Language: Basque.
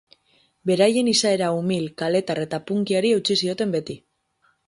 Beraien izaera umil, kaletar eta punkyari eutsi zioten beti.